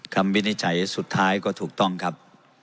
วินิจฉัยสุดท้ายก็ถูกต้องครับ